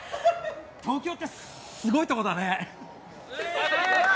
東京って、すごいところだね！